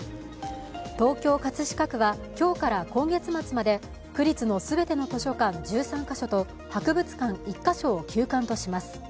東京・葛飾区は今日から今月末まで、区立の全ての図書館１３カ所と博物館１カ所を休館とします。